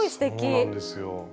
そうなんですよ。